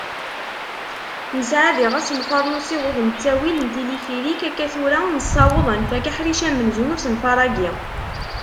Nesɛa diɣ asenfar n usiweḍ s ttawil n tilifirik. Akka tura, nessaweḍ ad nfak aḥric amenzu n usenfar-agi